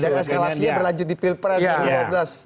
jangan sekalas dia berlanjut di pilpres